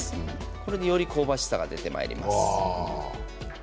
これでより香ばしさが出てまいります。